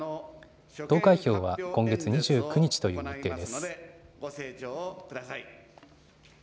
投開票は今月２９日という日程です。